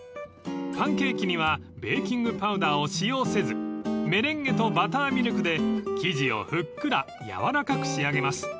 ［パンケーキにはベーキングパウダーを使用せずメレンゲとバターミルクで生地をふっくら軟らかく仕上げます］